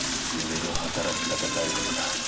夢の働き方改革だ。